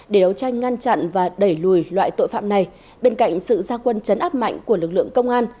để đấu tranh ngăn chặn và đẩy lùi loại tội phạm này bên cạnh sự gia quân chấn áp mạnh của lực lượng công an